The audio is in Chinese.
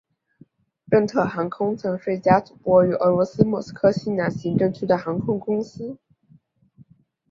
任特航空曾是一家总部位于俄罗斯莫斯科西南行政区的航空公司。